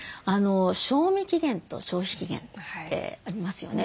賞味期限と消費期限ってありますよね。